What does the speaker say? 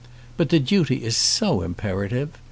But the duty is so imperative!